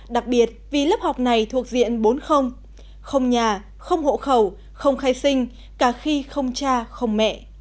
đặc biệt vì lớp học này thuộc diện bốn không nhà không hộ khẩu không khai sinh cả khi không cha không mẹ